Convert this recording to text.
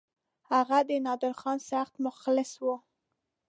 هغه د نادرخان سخت مخلص وو.